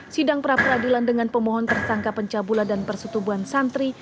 sidang praperadilan dengan pemohon tersangka pencabula dan persetubuhan santri